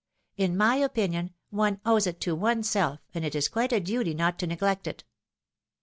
In my opinion one owes it to oneself, and it is quite a duty not to neglect it."